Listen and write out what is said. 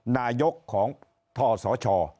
นายกของทศช